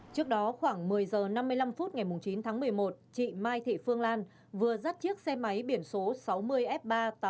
trước đó khoảng một mươi h năm mươi năm phút ngày chín tháng một mươi một chị mai thị phương lan vừa dắt chiếc xe máy biển số sáu mươi f ba trăm tám mươi hai nghìn bốn trăm tám mươi chín